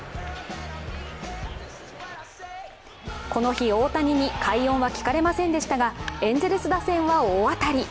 この日、大谷に快音は聞かれませんでしたが、エンゼルス打線は大当たり。